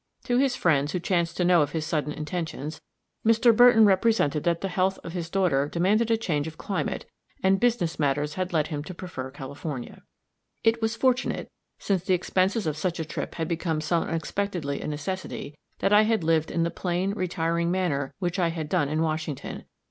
To his friends, who chanced to know of his sudden intentions, Mr. Burton represented that the health of his daughter demanded a change of climate, and business matters had led him to prefer California. It was fortunate, since the expenses of such a trip had become so unexpected a necessity, that I had lived in the plain, retiring manner which I had done in Washington.